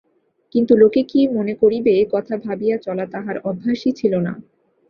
কিন্তু লোকে কী মনে করিবে এ কথা ভাবিয়া চলা তাঁহার অভ্যাসই ছিল না।